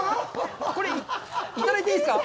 これ、いただいていいですか？